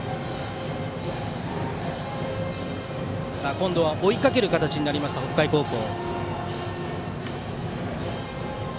今度は追いかける形になった北海高校。